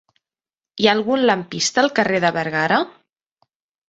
Hi ha algun lampista al carrer de Bergara?